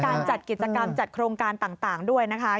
จัดกิจกรรมจัดโครงการต่างด้วยนะคะ